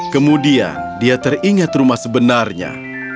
kemudian dia teringat rumah sebenarnya